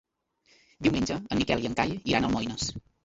Diumenge en Miquel i en Cai iran a Almoines.